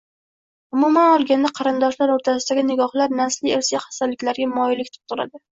Umuman olganda, qarindoshlar o‘rtasidagi nikohlar nasliy, irsiy xastaliklarga moyillik tug‘diradi.